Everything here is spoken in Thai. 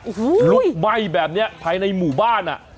โอ้โหลุกไหม้แบบนี้ภายในหมู่บ้านอ่ะ